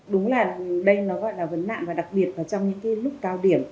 đúng là đây nó gọi là vấn nạn và đặc biệt là trong những cái lúc cao điểm